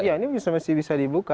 ya ini masih bisa dibuka